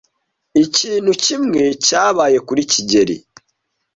Ikintu kimwe cyabaye kuri kigeli.